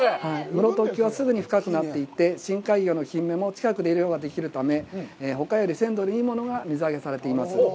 室戸沖はすごく深くなっていて、深海魚のキンメも近くで漁ができるため、ほかより鮮度のいいものが水揚げされています。